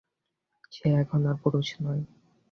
সে এখন আর পুরুষ নয়।